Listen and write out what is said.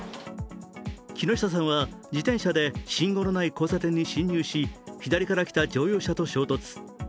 木下さんは自転車で信号のない交差点に進入し左から来た乗用車と衝突。